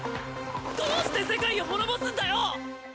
どうして世界を滅ぼすんだよ！